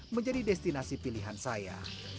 menjadi destinasi pilihan saya